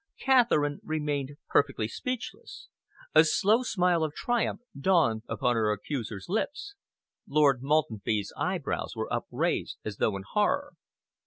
Catherine remained perfectly speechless. A slow smile of triumph dawned upon her accuser's lips. Lord Maltenby's eyebrows were upraised as though in horror.